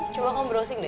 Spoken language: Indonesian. coba kamu browsing deh